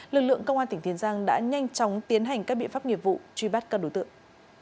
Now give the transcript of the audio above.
lực lượng công an tỉnh tiền giang đã nhanh chóng tiến hành các biện pháp nghiệp vụ truy bắt các đối tượng